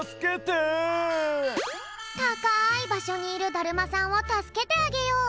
たかいばしょにいるだるまさんをたすけてあげよう！